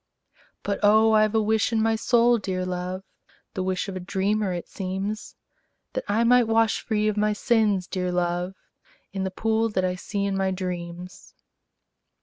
But, oh, I 've a wish in my soul, dear love, (The wish of a dreamer, it seems,) That I might wash free of my sins, dear love, In the pool that I see in my dreams.